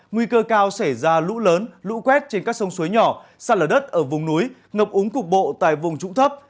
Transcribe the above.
nguy cơ cao xảy ra lũ lớn lũ quét trên các sông suối nhỏ sạt lở đất ở vùng núi ngập úng cục bộ tại vùng trũng thấp